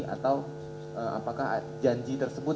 atau apakah janji tersebut